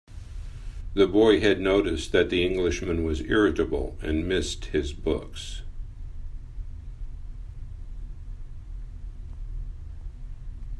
The boy had noticed that the Englishman was irritable, and missed his books.